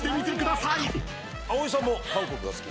葵さんも韓国が好き。